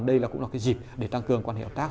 đây cũng là dịp để tăng cường quan hệ hợp tác